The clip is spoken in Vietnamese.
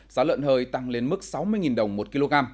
giá lợn hơi tăng lên mức sáu mươi đồng một kg